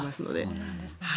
そうなんですね。